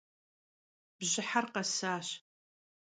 Bjıher khesaş.